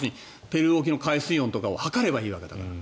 ペルー沖の海水温とかを測ればいいわけだから。